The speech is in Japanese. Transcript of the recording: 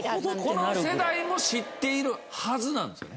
この世代も知っているはずなんですよ。